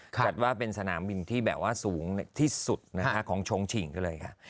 จัดว่าเป็นสนามบินที่แบบว่าสูงที่สุดนะคะของชงฉิงก็เลยค่ะ